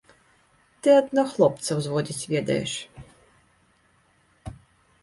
Ты адно хлопцаў зводзіць ведаеш!